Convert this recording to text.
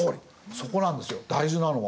そこなんですよ大事なのは。